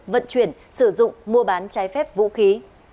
vận chuyển sử dụng mua bán trái phép vũ khí